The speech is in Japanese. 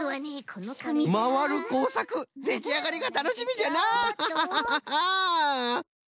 まわるこうさくできあがりがたのしみじゃのう！